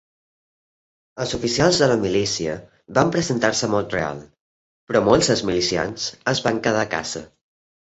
Els oficials de la milícia van presentar-se a Mont-real, però molts dels milicians es van quedar a casa.